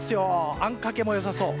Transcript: あんかけも良さそう。